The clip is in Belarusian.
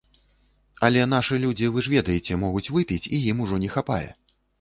Але нашы людзі, вы ж ведаеце, могуць выпіць, і ім ужо не хапае.